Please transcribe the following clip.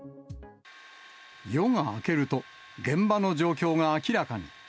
夜が明けると、現場の状況が明らかに。